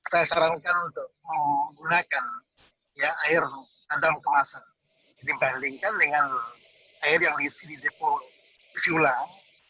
saya sarankan untuk menggunakan air adam kemasan dibandingkan dengan air yang diisi di depo siulang